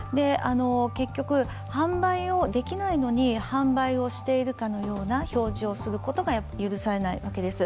結局、販売をできないのに、販売をしているかのような表示をすることが許されないわけです。